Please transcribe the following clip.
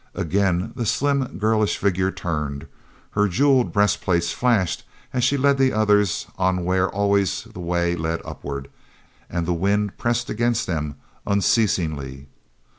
Again the slim girlish figure turned; her jeweled breast plates flashed as she led the others on where always the way led upward and the wind pressed against them unceasingly.